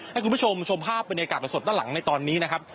ให้คุณผู้ชมทรงภาพบริการเวลากระสดด้านหลังในตอนนี้นะครับ